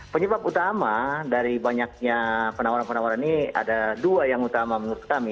penyebab utama dari banyaknya penawaran penawaran ini ada dua yang utama menurut kami